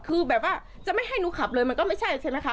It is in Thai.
คือแบบว่าจะไม่ให้หนูขับเลยมันก็ไม่ใช่ใช่ไหมคะ